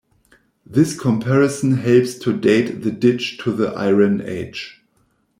This comparison helps to date the ditch to the Iron Age.